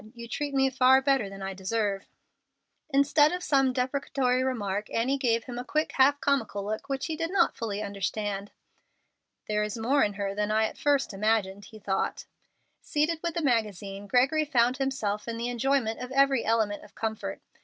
You treat me far better than I deserve." Instead of some deprecatory remark, Annie gave him a quick, half comical look which he did not fully understand. "There is more in her than I at first imagined," he thought. Seated with the magazine, Gregory found himself in the enjoyment of every element of comfort.